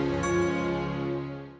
aku mau ke rumah